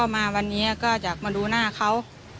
มาวันนี้ก็จะมาดูหน้าเขา